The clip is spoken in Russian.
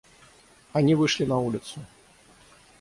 Они вышли на улицу.